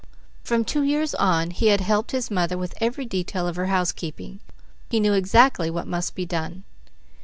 From two years on, he had helped his mother with every detail of her housekeeping; he knew exactly what must be done.